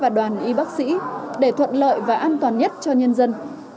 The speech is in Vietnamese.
và đoàn y bác sĩ để thuận lợi và an toàn nhất cho nhân dân